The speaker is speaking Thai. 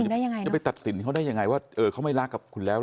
ได้ยังไงจะไปตัดสินเขาได้ยังไงว่าเขาไม่รักกับคุณแล้ว